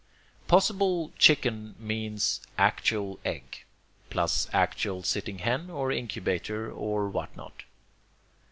Possible chicken means actual egg plus actual sitting hen, or incubator, or what not.